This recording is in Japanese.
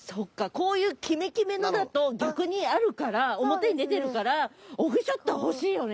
こういうキメキメのだと逆にあるから表に出てるからオフショット欲しいよね。